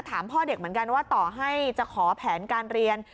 พ่อเด็กเหมือนกันว่าต่อให้จะขอแผนการเรียน